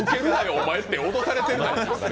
お前って誰かに脅されてるの？